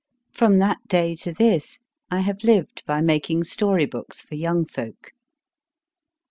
From that day to this I have lived by making story books for young folk.